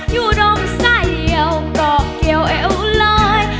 อยู่ดมใสเย็วกรอกเกียวเอวลอย